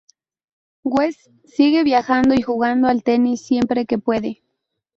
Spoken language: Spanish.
Wes sigue viajando y jugando al tenis siempre que puede.